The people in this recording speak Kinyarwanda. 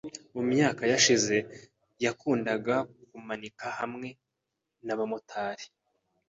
Mu myaka yashize, yakundaga kumanika hamwe nabamotari .